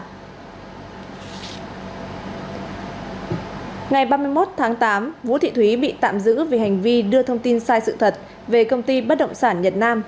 ngày ba mươi một tháng tám vũ thị thúy bị tạm giữ vì hành vi đưa thông tin sai sự thật về công ty bất động sản nhật nam